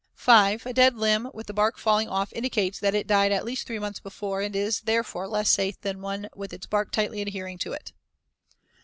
5. A dead limb with the bark falling off indicates that it died at least three months before and is, therefore, less safe than one with its bark tightly adhering to it.